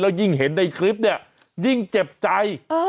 ยิ่งเห็นในคลิปเนี่ยยิ่งเจ็บใจ